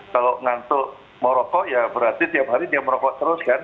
kalau ngantuk merokok ya berarti tiap hari dia merokok terus kan